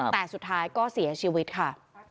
แต่สุดท้ายก็เสียชีวิตค่ะ